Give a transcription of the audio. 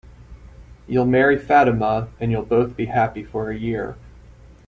You'll marry Fatima, and you'll both be happy for a year.